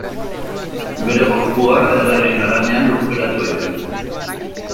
Bere gorpua, Erregeen Haranean lurperatua izan zen.